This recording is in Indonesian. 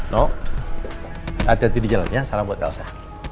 no ada diri jalan ya salam buat elsa